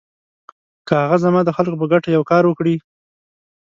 که هغه زما د خلکو په ګټه یو کار وکړي.